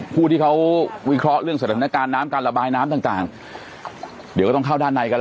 ผู้ที่เขาวิเคราะห์เรื่องสถานการณ์น้ำการระบายน้ำต่างต่างเดี๋ยวก็ต้องเข้าด้านในกันแล้ว